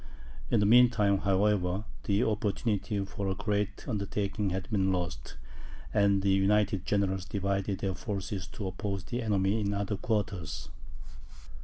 In the mean time, however, the opportunity for a great undertaking had been lost, and the united generals divided their forces to oppose the enemy in other quarters.